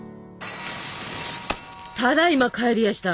ただいま帰りやした。